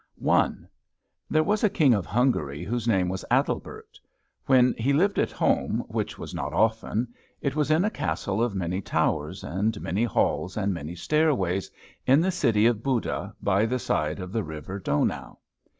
I. There was a King of Hungary whose name was Adelbert. When he lived at home, which was not often, it was in a castle of many towers and many halls and many stairways, in the city of Buda, by the side of the river Donau.